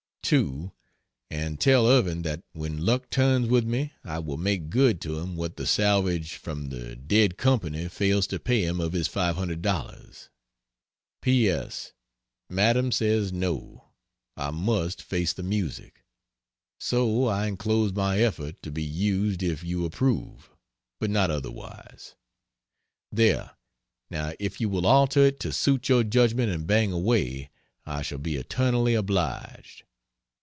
2. And tell Irving that when luck turns with me I will make good to him what the salvage from the dead Co. fails to pay him of his $500. P. S. Madam says No, I must face the music. So I enclose my effort to be used if you approve, but not otherwise. There! Now if you will alter it to suit your judgment and bang away, I shall be eternally obliged.